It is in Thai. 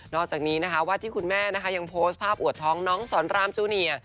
อกจากนี้นะคะวัดที่คุณแม่นะคะยังโพสต์ภาพอวดท้องน้องสอนรามจูเนีย